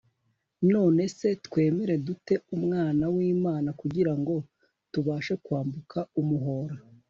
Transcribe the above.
None se twemera dute Umwana w'Imana kugira ngo tubashe kwambuka umuhora